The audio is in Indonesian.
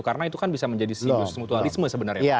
karena itu kan bisa menjadi sinus mutualisme sebenarnya